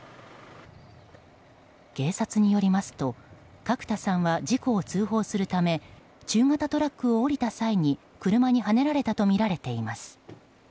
警察によりますと角田さんは事故を通報するため中型トラックを降りた際に車にはねられたとみられています。